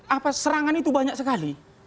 apa serangan itu banyak sekali